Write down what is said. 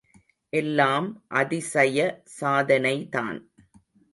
எல்லாம் அதிசய சாதனைதான்.